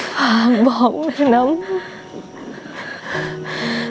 ฝากบอกแม่น้ำ